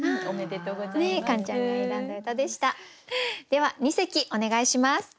では二席お願いします。